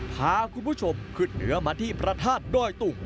พาคุณผู้ชมขึ้นเหนือมาที่พระธาตุดอยตุง